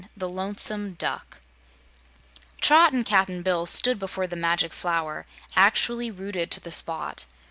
The Lonesome Duck Trot and Cap'n Bill stood before the Magic Flower, actually rooted to the spot.